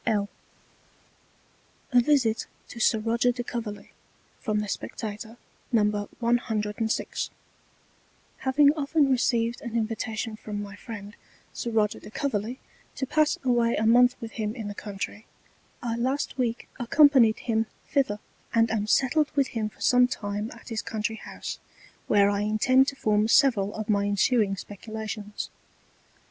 L. A VISIT TO SIR ROGER DE COVERLEY From the Spectator, No. 106 Having often received an Invitation from my Friend Sir Roger de Coverley to pass away a Month with him in the Country, I last Week accompanied him thither, and am settled with him for some time at his Country house, where I intend to form several of my ensuing Speculations.